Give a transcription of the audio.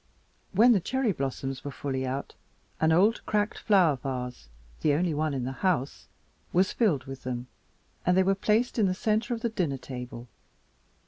When the cherry blossoms were fully out, an old cracked flower vase the only one in the house was filled with them, and they were placed in the center of the dinner table.